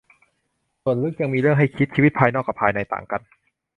ส่วนลึกยังมีเรื่องให้คิด ชีวิตภายนอกกับภายในต่างกัน